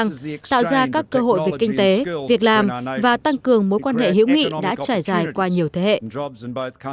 tạo ra các cơ hội về kinh tế việc làm và tăng cường mối quan hệ hữu nghị đã trải dài qua nhiều thế hệ